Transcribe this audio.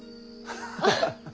ハハハッ。